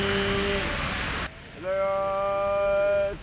おはようございます。